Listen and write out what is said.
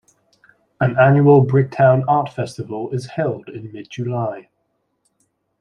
An annual Bricktown Art Festival is held in mid-July.